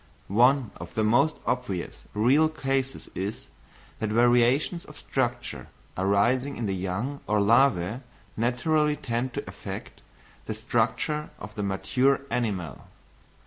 One of the most obvious real cases is, that variations of structure arising in the young or larvæ naturally tend to affect the structure of the mature animal.